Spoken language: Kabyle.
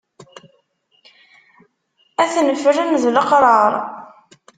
Ad ten-ffren d leqrar.